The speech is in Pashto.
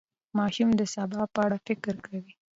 ماشوم د سبا په اړه فکر کوي.